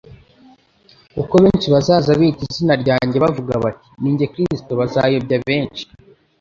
kuko benshi bazaza biyita izina ryanjye bavuga bati: Ninjye Kristo bazayobya benshi.»